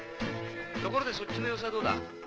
ところでそっちの様子はどうだ？